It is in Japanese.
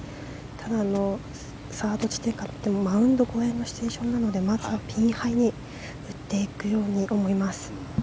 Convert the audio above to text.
多分、サード地点マウンド越えのシチュエーションなのでまずはピンハイに打っていくように思います。